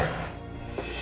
ya udah baik